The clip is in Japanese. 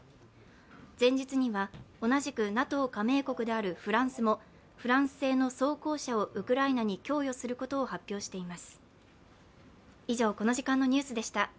前日には、同じくＮＡＴＯ加盟国であるフランスも、フランス製の装甲車をウクライナに供与することを発表しています。